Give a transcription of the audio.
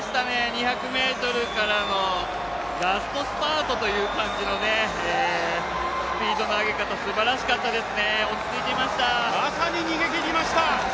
２００ｍからのラストスパートという感じのスピードの上げ方、すばらしかったです